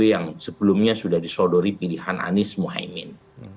yang sebelumnya sudah disodori pilihan anies mohaimin